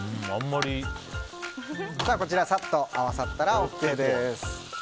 こちらサッと合わさったらＯＫです。